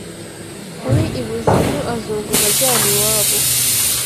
Uri i Buzimu azunguza ajyana iwabo